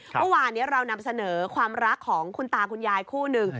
เมื่อวานนี้เรานำเสนอความรักของคุณตาคุณยายคู่หนึ่ง